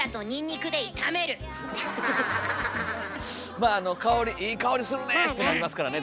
まああの香りいい香りするねってなりますからね